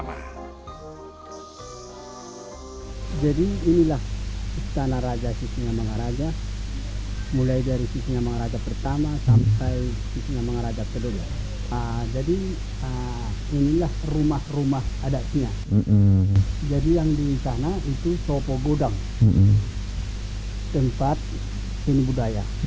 jadi inilah istana raja sisingamaraja